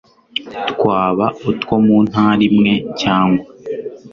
twaba utwo mu Ntara imwe cyangwa